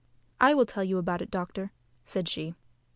"I will tell you about it, doctor," said she.